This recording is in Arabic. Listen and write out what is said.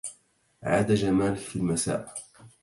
عاد جمال في المساء.